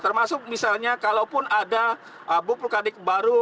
termasuk misalnya kalaupun ada abu vulkanik baru